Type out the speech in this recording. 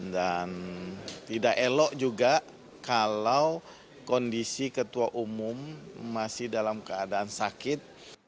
dan tidak elok juga kalau kondisi ketua umum masih dalam keadaan sakit